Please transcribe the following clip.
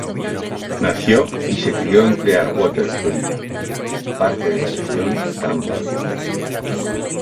Nació y se crio en Clearwater, Florida, parte de la región Tampa Bay.